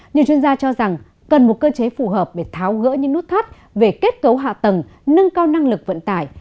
nhiều chuyên gia cho rằng cần một cơ chế phù hợp để tháo gỡ những nút thắt về kết cấu hạ tầng nâng cao năng lực vận tải